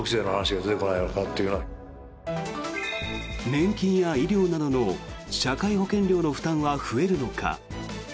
年金や医療などの社会保険料の負担は増えるのか。